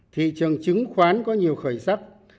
thị trường chứng khoán có nhiều khởi sắc